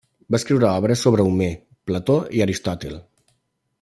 Va escriure obres sobre Homer, Plató i Aristòtil.